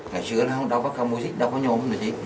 ngày xưa đâu có khám ô xích đâu có nhôm gì